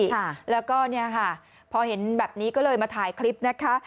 ค่ะแล้วก็เนี่ยค่ะพอเห็นแบบนี้ก็เลยมาถ่ายคลิปนะคะ